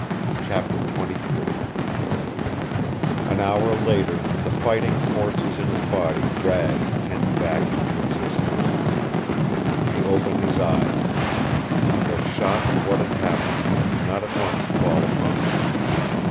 CHAPTER XXIII An hour later the fighting forces in his body dragged Kent back into existence. He opened his eyes. The shock of what had happened did not at once fall upon him.